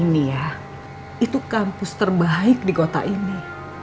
ini ya itu kampus terbaik di kota ini